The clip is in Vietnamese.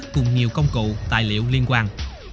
cùng nhiều công cụ tài liệu liên quan